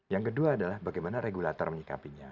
yang kedua adalah bagaimana regulator menyikapinya